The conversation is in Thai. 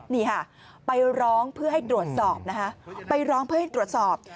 นี่ค่ะไปร้องเพื่อให้ตรวจสอบนะคะไปร้องเพื่อให้ตรวจสอบ